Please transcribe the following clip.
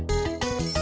saya sudah selesai